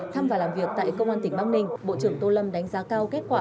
thăm và làm việc tại công an tỉnh bắc ninh bộ trưởng tô lâm đánh giá cao kết quả